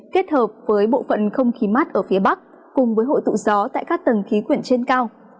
kết hợp với bộ phận không khí mát ở phía bắc cùng với hội tụ gió tại các tầng khí quyển trên cao